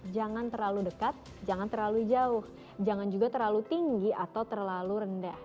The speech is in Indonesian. jangan terlalu dekat jangan terlalu jauh jangan juga terlalu tinggi atau terlalu rendah